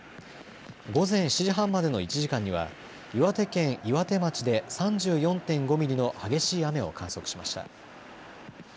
午前７時半までの１時間には岩手県岩手町で３４．５ミリの激しい雨を観測しました。